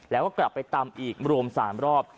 แล้วก็กลับไปตำอีกรวม๓รอบ